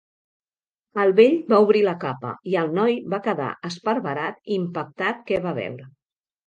El vell va obrir la capa, i el noi va quedar esparverat impactat que va veure.